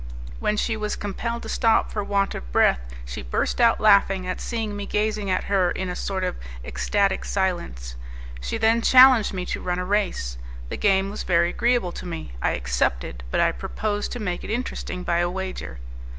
When she was compelled to stop for want of breath, she burst out laughing at seeing me gazing at her in a sort of ecstatic silence. She then challenged me to run a race; the game was very agreeable to me. I accepted, but I proposed to make it interesting by a wager.